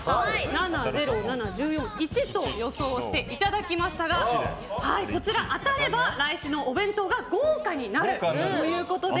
７、０、１４、１と予想していただきましたがこちら、当たれば来週のお弁当が豪華になるということで。